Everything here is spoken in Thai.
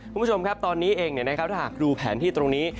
คุณผู้ชมครับตอนนี้เองถ้าหากดูแผนที่ตรงนี้